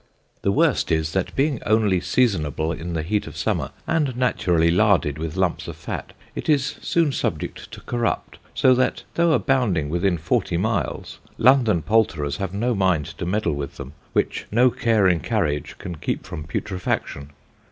The worst is, that being onely seasonable in the heat of summer, and naturally larded with lumps of fat, it is soon subject to corrupt, so that (though abounding within fourty miles) London Poulterers have no mind to meddle with them, which no care in carriage can keep from Putrefaction.